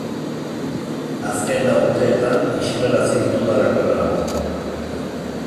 Azken lau urteetan isilarazi ditudalakoan nago.